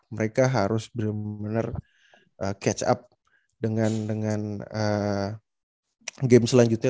mereka harus bener bener catch up dengan game selanjutnya